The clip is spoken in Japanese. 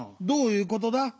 どういうことだ？